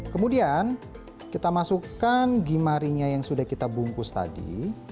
kemudian kita masukkan gimarinya yang sudah kita bungkus tadi